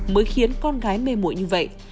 mới khiến con gái mê mội như vậy